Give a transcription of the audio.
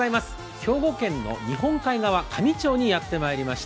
兵庫県の日本海側、香美町にやってきました。